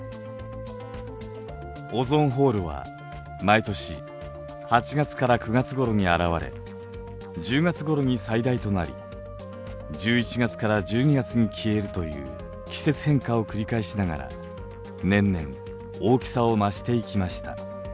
オゾンホールは毎年８月から９月ごろに現れ１０月ごろに最大となり１１月から１２月に消えるという季節変化を繰り返しながら年々大きさを増していきました。